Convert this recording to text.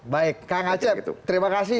baik kak nacep terima kasih